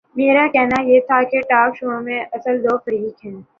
میرا کہنا یہ تھا کہ ٹاک شو میں اصلا دو فریق ہیں۔